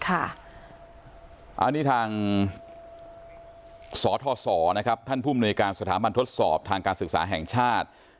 อันนี้ทางสทศนะครับท่านผู้มนุยการสถาบันทดสอบทางการศึกษาแห่งชาติ